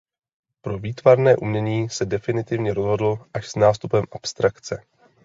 Pro výtvarné umění se definitivně rozhodl až s nástupem abstrakce.